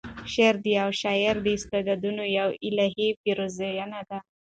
شعر د یوه شاعر د استعدادونو یوه الهې پیرزویَنه ده.